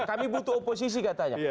kami butuh oposisi katanya